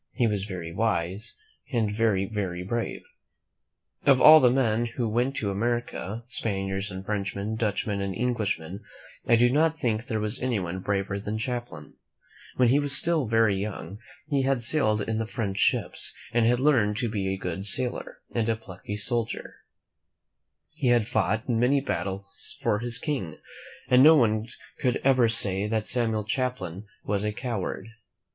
He was very wise, and very, very brave. Of all the men who went to America, '/^ iO? ^: V U'^t'^, THE MEN WHO FOUND AMERICA ■■•■mi yz;i^,<L^^A.* / ',vii«^l teiffrtiil Spaniards and Frenchmen, Dutchmen and Eng lishmen, I do not think there was anyone braver than Champlain. When he was still very young, he had sailed in the French ships and had learned to be' a good sailor and a plucky soldier. He had fought in many battles for his King, and no one could ever say that Samuel Champlain was a coward.